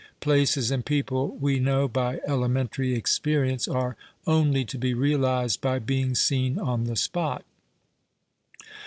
Places and people, we know by elementary experience, arc only to be realized by being seen on the sj)ot.